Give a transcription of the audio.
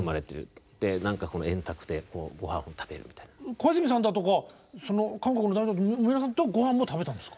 小泉さんだとか韓国の大統領の皆さんとごはんも食べたんですか？